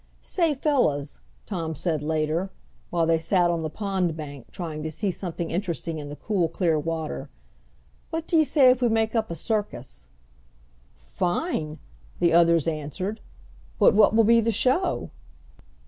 "Say, fellows," Tom said later, while they sat on the pond bank trying to see something interesting in the cool, clear water, "what do you say if we make up a circus!" "Fine," the others answered, "but what will be the show?"